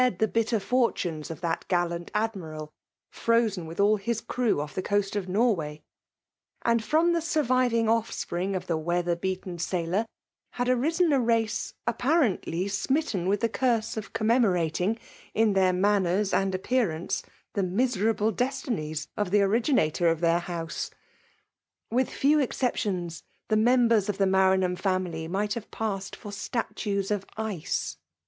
the bitter fortunes of that gallant Admuid> firosen irith all hia crew off ihe coaai of Nmr^ way ; aad^ from the surviving offspring of the weathtf beaten sailor^ had ariaen a race, apjia rently smitten with the curse of commemo rating, in their manners and appearance, the miserable destinies of the originator of their house. With few exceptions, the members of the Maranham family might have passed iosr statues of ice.